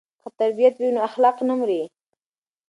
که تربیت وي نو اخلاق نه مري.